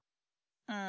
うん。